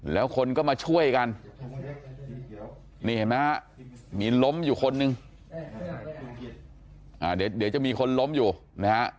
แล้วคนก็มาช่วยกันหนีม้ามีล้นอยู่คนนึงอาเดดเดี๋ยวมีคนล้อมอยู่นะ